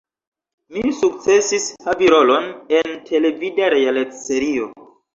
Mi sukcesis havi rolon en televida realec-serio.